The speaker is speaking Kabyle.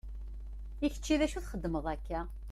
I kečči d acu i txeddmeḍ akka?